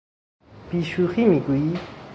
بی شوخی میگویی؟